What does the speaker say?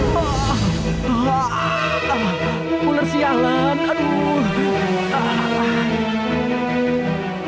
puler sialan aduh